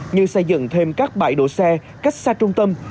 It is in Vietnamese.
như xây dựng thêm các bãi đổ xe cách xa trung tâm